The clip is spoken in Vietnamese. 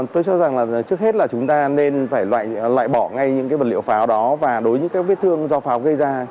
tôi cho rằng là trước hết là chúng ta nên phải loại bỏ ngay những cái vật liệu pháo đó và đối với những các vết thương do pháo gây ra